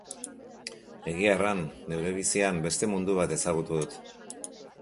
Egia erran, neure bizian beste mundu bat ezagutu dut.